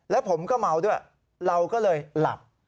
แล้วผมก็เมาด้วยเราก็เลยหลับ